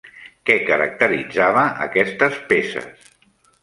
Què caracteritzava aquestes peces?